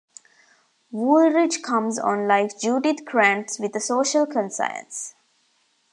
Woolridge comes on like Judith Krantz with a social conscience.